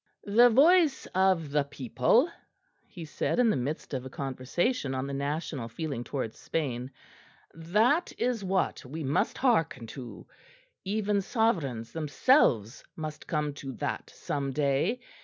"The voice of the people," he said in the midst of a conversation on the national feeling towards Spain, "that is what we must hearken to. Even sovereigns themselves must come to that some day.